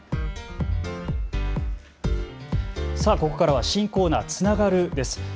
ここからは新コーナー、つながるです。